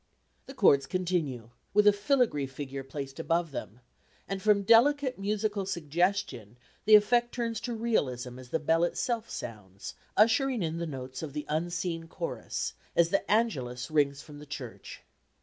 The chords continue, with a filagree figure placed above them, and from delicate musical suggestion the effect turns to realism as the bell itself sounds, ushering in the notes of the unseen chorus, as the Angelus rings from the church.